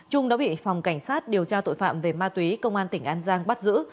trung đã bị phòng cảnh sát điều tra tội phạm về ma túy công an tỉnh an giang bắt giữ